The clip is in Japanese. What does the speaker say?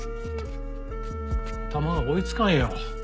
頭が追いつかんよ。